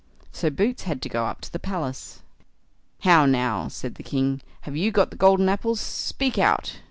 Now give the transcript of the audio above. So Boots had to go up to the palace. "How, now", said the king; "have you got the golden apple? Speak out!"